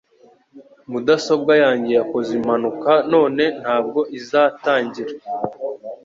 Mudasobwa yanjye yakoze impanuka none ntabwo izatangira